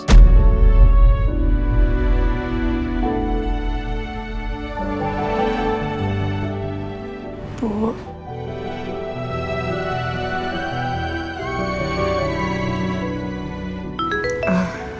ini kan buatnya